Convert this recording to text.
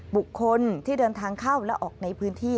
บุคคลที่เดินทางเข้าและออกในพื้นที่